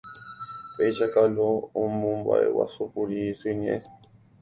Péicha Kalo omomba'eguasúkuri isy ñe'ẽ